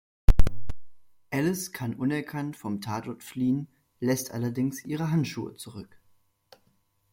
Alice kann unerkannt vom Tatort fliehen, lässt allerdings ihre Handschuhe zurück.